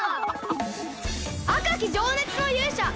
あかきじょうねつのゆうしゃ！